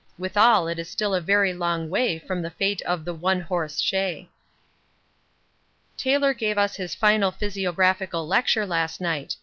Withal it is still a very long way from the fate of the 'one horse shay.' Taylor gave us his final physiographical lecture last night.